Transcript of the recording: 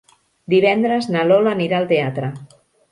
Divendres na Lola anirà al teatre.